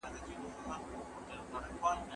آیا دولت باید د کلیسا تابع وي؟